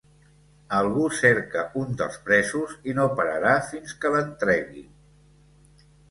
Algú cerca un dels presos i no pararà fins que l’en tregui.